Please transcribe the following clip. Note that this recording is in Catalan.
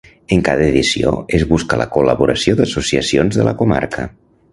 En cada edició es busca la col·laboració d'associacions de la comarca.